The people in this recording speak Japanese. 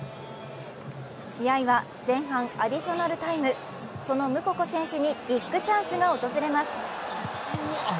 試合は前半アディショナルタイム、そのムココ選手にビッグチャンスが訪れます。